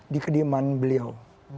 di kediaman beliau